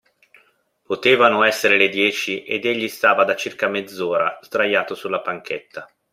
Potevano esser le dieci ed egli stava da circa mezz'ora sdraiato sulla panchetta.